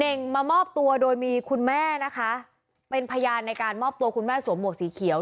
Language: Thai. ่งมามอบตัวโดยมีคุณแม่นะคะเป็นพยานในการมอบตัวคุณแม่สวมหวกสีเขียว